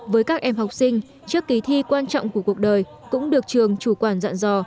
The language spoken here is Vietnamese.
với các em học sinh trước kỳ thi quan trọng của cuộc đời cũng được trường chủ quản dạng dò